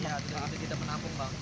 ya sudah menampung